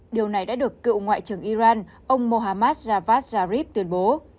điều này đã được cựu ngoại trưởng iran ông mohamad javad zarif tuyên bố